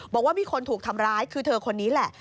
บอกว่ามีคนถูกทำร้ายคือเธอคนนี้แหละ